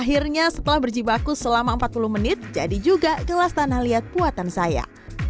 akhirnya setelah berjibaku selama empat puluh menit jadi juga gelas tanah liat buatan saya